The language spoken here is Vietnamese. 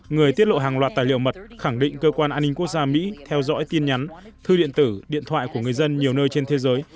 người tiết lộ hàng loạt tài liệu mật khẳng định cơ quan an ninh quốc gia mỹ theo dõi tin nhắn thư điện tử điện thoại của người dân nhiều nơi trên thế giới